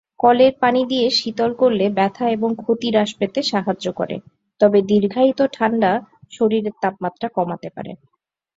কলের পানি দিয়ে শীতল করলে ব্যথা এবং ক্ষতি হ্রাস পেতে সাহায্য করে; তবে দীর্ঘায়িত ঠান্ডা শরীরের তাপমাত্রা কমাতে পারে।